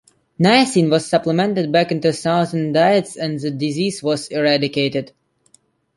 Niacin was supplemented back into Southern diets and the disease was eradicated.